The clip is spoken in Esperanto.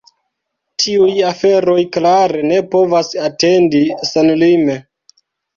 Tiuj aferoj klare ne povas atendi senlime.